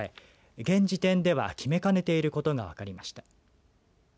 現時点では決めかねていることが分かりました。